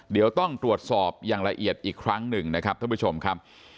เดี๋ยวต้องตรวจสอบอย่างละเอียดอีกครั้งหนึ่งนะครับท่านผู้ชมครับ